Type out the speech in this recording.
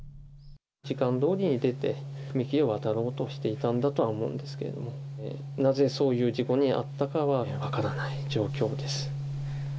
時間どおりに出て、踏切を渡ろうとしていたんだとは思うんですけれども、なぜそういう事故に遭ったかは分からない状況です。